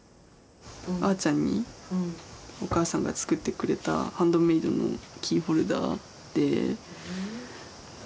あーちゃんにお母さんが作ってくれたハンドメードのキーホルダーで何かめっちゃかわいい。